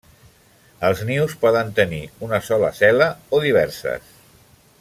Els nius poden tenir una sola cel·la o diverses.